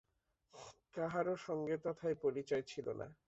কাহারও সঙ্গে তথায় পরিচয় ছিল না।